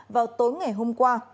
vào tối ngày hôm qua